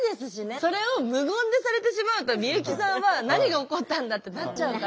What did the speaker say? それを無言でされてしまうと美由紀さんは何が起こったんだってなっちゃうから。